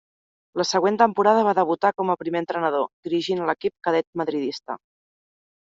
La següent temporada va debutar com primer entrenador, dirigint a l'equip cadet madridista.